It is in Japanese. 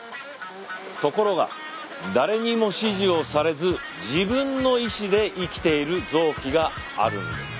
ところが誰にも指示をされず自分の意思で生きている臓器があるんです。